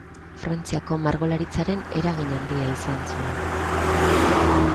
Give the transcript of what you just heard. Frantziako margolaritzaren eragin handia izan zuen.